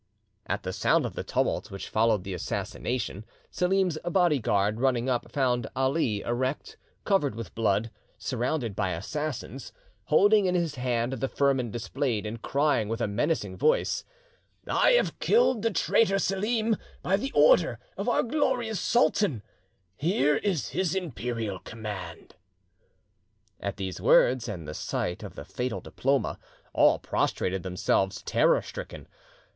At the sound of the tumult which followed the assassination, Selim's bodyguard, running up, found Ali erect, covered with blood, surrounded by assassins, holding in his hand the firman displayed, and crying with a menacing voice, "I have killed the traitor Selim by the order of our glorious sultan; here is his imperial command." At these words, and the sight of the fatal diploma, all prostrated themselves terror stricken.